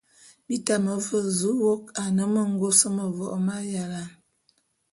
Bi tame fe zu wôk ane mengôs mevok m'ayalane.